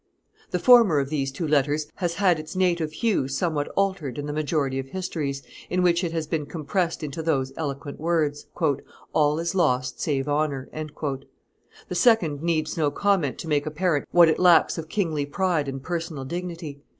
The former of these two letters has had its native hue somewhat altered in the majority of histories, in which it has been compressed into those eloquent words, "All is lost save honor." The second needs no comment to make apparent what it lacks of kingly pride and personal dignity.